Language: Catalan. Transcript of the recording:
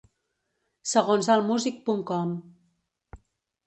Segons Allmusic punt com.